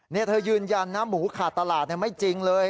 นี่เธอยืนยันนะหมูขาดตลาดไม่จริงเลย